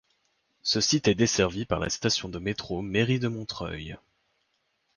Ce site est desservi par la station de métro Mairie de Montreuil.